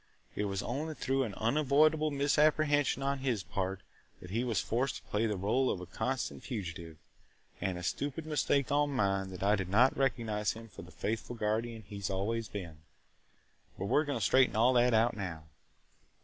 It was only through an unavoidable misapprehension on his part that he was forced to play the role of a constant fugitive, and a stupid mistake on mine that I did not recognize him for the faithful guardian he has always been. But we 're going to straighten all that out now!"